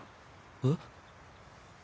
えっ？